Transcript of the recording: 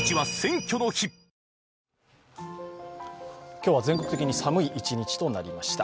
今日は全国的に寒い一日となりました。